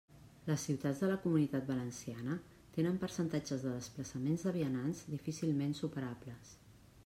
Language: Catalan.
Les ciutats de la Comunitat Valenciana tenen percentatges de desplaçaments de vianants difícilment superables.